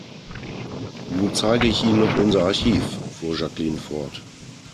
Nun zeige ich Ihnen noch unser Archiv, fuhr Jacqueline fort.